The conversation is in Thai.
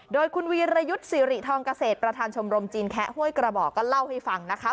โดยคุณวีรยุทธ์สิริทองเกษตรประธานชมรมจีนแคะห้วยกระบอกก็เล่าให้ฟังนะคะ